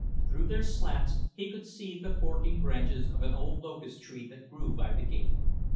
Through their slats, he could see the forking branches of an old locust tree that grew by the gate.